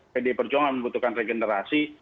pdi perjuangan membutuhkan regenerasi